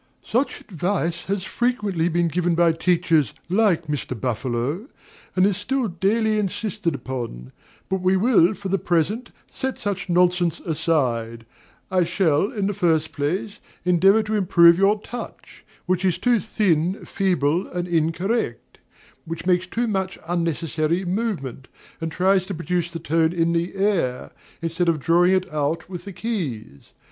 Such advice has frequently been given by teachers like Mr. Buffalo, and is still daily insisted on; but we will, for the present, set such nonsense aside. I shall, in the first place, endeavor to improve your touch, which is too thin, feeble, and incorrect; which makes too much unnecessary movement, and tries to produce the tone in the air, instead of drawing it out with the keys.